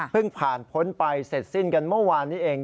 ผ่านพ้นไปเสร็จสิ้นกันเมื่อวานนี้เอง